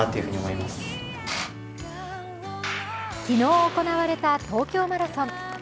昨日行われた東京マラソン。